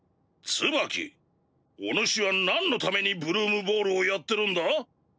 ツバキお主はなんのためにブルームボールをやってるんだ？